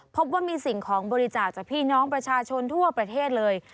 พบว่ามีสิ่งของบริจาคจากพี่น้องประชาชนทั่วประเทศเลย